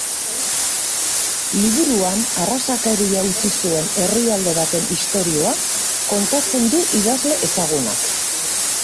Liburuan arrazakeria utzi zuen herrialde baten istorioa kontatzen du idazle ezagunak.